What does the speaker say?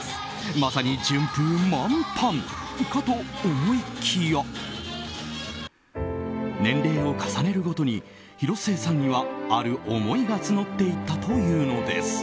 まさに順風満帆かと思いきや年齢を重ねるごとに広末さんにはある思いが募っていったというのです。